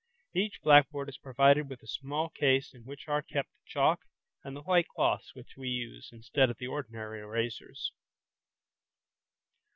Each blackboard is provided with a small case in which are kept the chalk, and the white cloths which we use instead of the ordinary erasers.